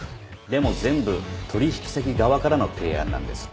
でも全部取引先側からの提案なんです。